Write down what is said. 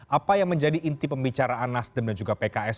apa yang menjadi inti pembicaraan nasdem dan juga pks